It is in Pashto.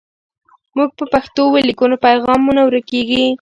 موږ په پښتو ولیکو نو پیغام مو نه ورکېږي.